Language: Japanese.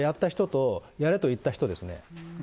加害者はやった人とやれと言った人ですね。